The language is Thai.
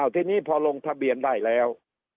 ทีนี้พอลงทะเบียนได้แล้ว